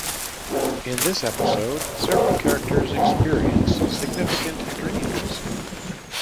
In this episode, several characters experience significant dreams.